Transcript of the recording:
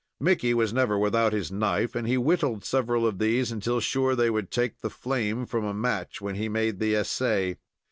Mickey was never without his knife, and he whittled several of these until sure they would take the flame from a match when he made the essay.